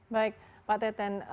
baik pak teten